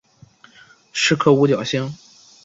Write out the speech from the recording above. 是颗五角星。